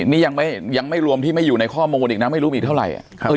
นี่ยังไม่รวมที่ไม่อยู่ในข้อมูลอีกนะไม่รู้มีเท่าไหร่